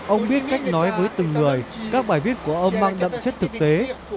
ông biết cách nói với từng người các bài viết của ông mang đậm chất thực tế